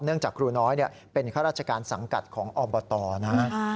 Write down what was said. เนื่องจากครูน้อยเป็นข้าราชการสังกัดของออมบัติต่อนะ